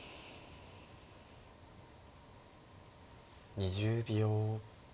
２０秒。